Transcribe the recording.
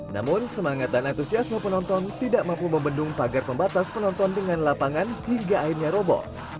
namun semangat dan antusiasme penonton tidak mampu membendung pagar pembatas penonton dengan lapangan hingga akhirnya robo